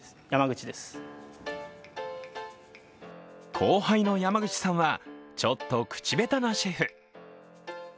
後輩の山口さんはちょっと口下手なシェフ。